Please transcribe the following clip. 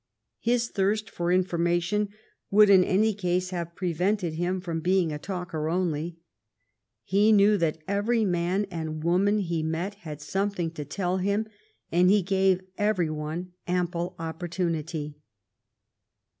His thirst for information would in any case have prevented him from being a talker only. He knew that every man and woman he met had something to tell him, and he gave every one ample opportunity.